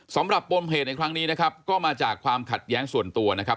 ปมเหตุในครั้งนี้นะครับก็มาจากความขัดแย้งส่วนตัวนะครับ